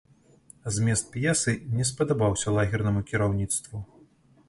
Змест п'есы не спадабаўся лагернаму кіраўніцтву.